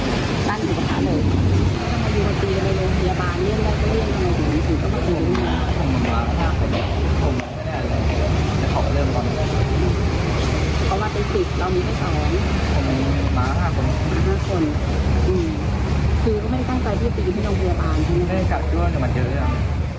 คือก็ไม่ตั้งใจที่จะไปกับพี่น้องพยาบาลไม่ได้กัดด้วยแต่มันเจอเรื่อง